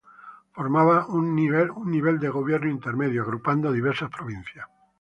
Formaba un nivel de gobierno intermedio, agrupando diversas provincias.